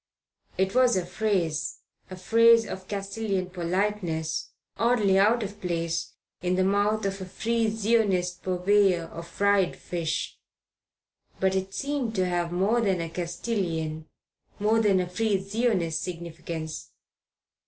It was a phrase a phrase of Castilian politeness oddly out of place in the mouth of a Free Zionist purveyor of fried fish. But it seemed to have more than a Castilian, more than a Free Zionist significance.